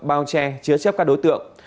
bao che chứa chép các đối tượng